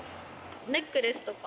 ネックレスとか。